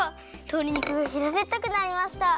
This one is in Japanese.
とり肉がひらべったくなりました。